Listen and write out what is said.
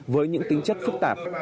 với những tính chất phức tạp